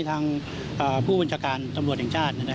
ทางผู้บัญชาการตำรวจแห่งชาติ